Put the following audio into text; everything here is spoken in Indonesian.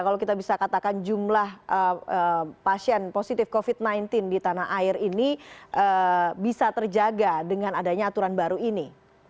kalau kita bisa katakan jumlah pasien positif covid sembilan belas di tanah air ini bisa terjaga dengan adanya aturan baru ini